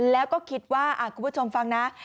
แล้วก็คิดว่าคุณผู้ชมฟังนะ